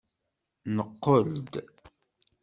Neqqel-d.